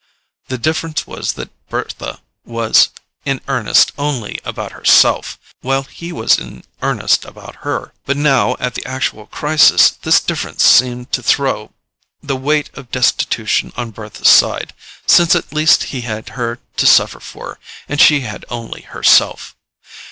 The difference was that Bertha was in earnest only about herself, while he was in earnest about her. But now, at the actual crisis, this difference seemed to throw the weight of destitution on Bertha's side, since at least he had her to suffer for, and she had only herself.